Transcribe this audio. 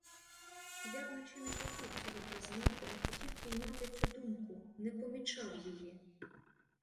Я вночі не хотів цього признати, не хотів піймати цю думку, не помічав її.